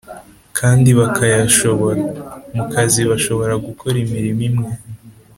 kandi bakayashobora. Mu kazi, bashobora gukora imirimo imwe,